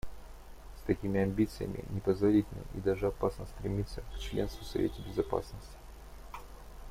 С такими амбициями непозволительно и даже опасно стремиться к членству в Совете Безопасности.